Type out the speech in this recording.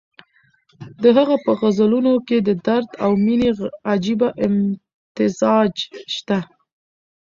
د هغه په غزلونو کې د درد او مېنې عجیبه امتزاج شته.